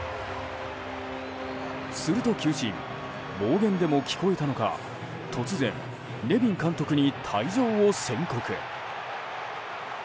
すると、球審暴言でも聞こえたのか突然、ネビン監督に退場を宣告。